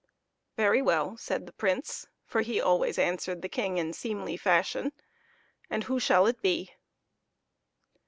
" Very well," said the Prince, for he always answered the King in seemly fashion ;" and who shall it be